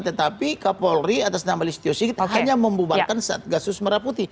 tetapi kapolri atas nama listio sigit hanya membubarkan satgasus merah putih